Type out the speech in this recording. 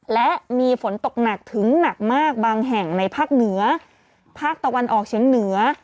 และมีฝนตกหนักถึงหนักมากบางแห่งในภาคเหนือภาคตะวันออกเฉียงเหนือ